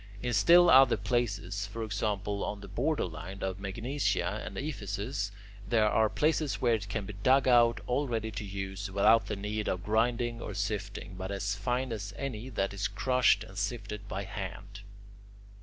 In still other places for example, on the borderland of Magnesia and Ephesus there are places where it can be dug out all ready to use, without the need of grinding or sifting, but as fine as any that is crushed and sifted by hand.